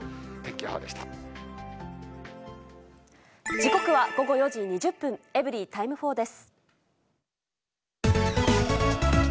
時刻は午後４時２０分、エブリィタイム４です。